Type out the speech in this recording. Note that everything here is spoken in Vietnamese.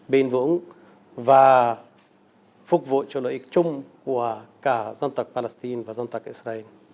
bền vững và phục vụ cho lợi ích chung của cả dân tộc palestine và dân tộc israel